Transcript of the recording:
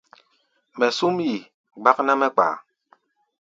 Mɛ súm yi, gbák ná mɛ́ kpaá.